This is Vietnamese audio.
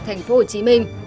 thành phố hồ chí minh